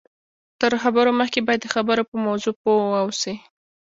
تر خبرو مخکې باید د خبرو په موضوع پوه واوسئ